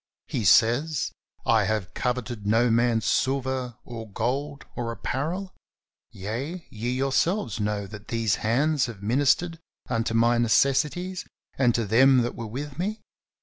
He says: "I have coveted no man's silver or gold or apparel; yea, ye yourselves know that these hands have ministered unto my necessities and to them that were with me.